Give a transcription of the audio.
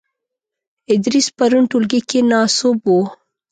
ادریس پرون ټولګې کې ناسوب وو .